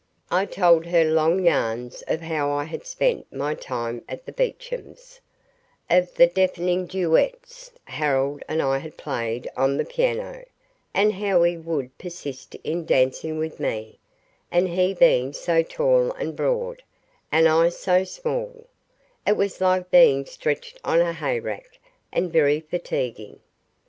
I told her long yarns of how I had spent my time at the Beechams; of the deafening duets Harold and I had played on the piano; and how he would persist in dancing with me, and he being so tall and broad, and I so small, it was like being stretched on a hay rack, and very fatiguing.